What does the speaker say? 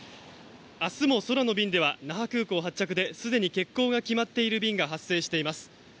明日も空の便では那覇空港発着ですでに欠航が決まっている便が発生しています。